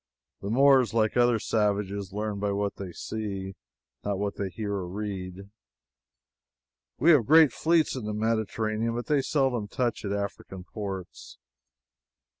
The Moors, like other savages, learn by what they see, not what they hear or read. We have great fleets in the Mediterranean, but they seldom touch at African ports.